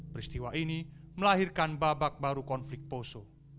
peristiwa ini melahirkan babak baru konflik poso